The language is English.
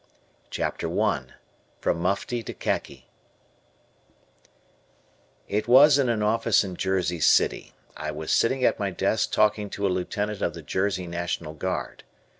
CHAPTER I FROM MUFTI TO KHAKI It was in an office in Jersey City. I was sitting at my desk talking to a Lieutenant of the Jersey National Guard.